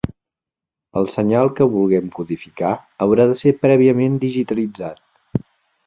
El senyal que vulguem codificar haurà de ser prèviament digitalitzat.